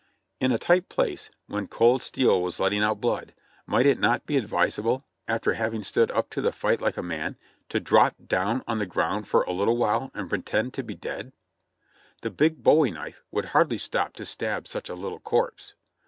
In a tight place, when cold steel was letting out blood, might it not be advisable, after having stood up to the fight like a man, to drop down on the ground for a little while and pretend to be dead? The big "Bowie knife" would hardly stop to stab such a little corpse.